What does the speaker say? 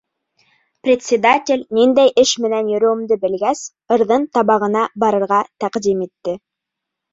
Председатель ниндәй эш менән йөрөүемде белгәс, ырҙын табағына барырға тәҡдим итте.